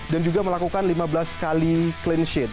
dan juga melakukan lima belas kali clean sheet